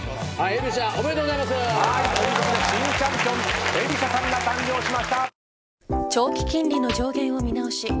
えびしゃおめでとうございます。ということで新チャンピオンえびしゃさんが誕生しました。